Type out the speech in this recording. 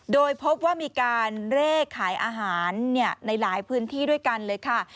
โดยพบว่ามีการเร่ขายอาหารในหลายพื้นที่ด้วยกันเลยค่ะ